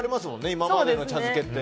今までの茶漬けって。